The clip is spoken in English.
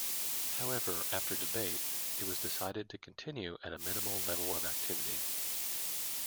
However, after debate it was decided to continue at a minimal level of activity.